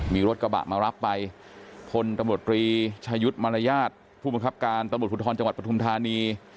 มีรถกระบะมารับไปพลตำรวจตรีชายุทธ์มารยาทผู้บังคับการตำรวจภูทรจังหวัดปฐุมธานี